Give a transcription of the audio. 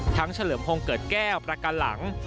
ทั้งเฉลิมโฮงเกิดแก้วประกันหลัง